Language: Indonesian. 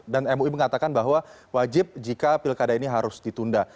dan mui mengatakan bahwa wajib jika pilkada ini harus ditunda